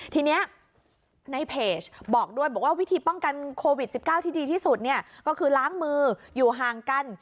ทีนี้ในเพจบอกด้วยบอกว่าวิธีป้องกันโควิด๑๙ที่ดีที่สุดเนี่ยก็คือล้างมืออยู่ห่างกัน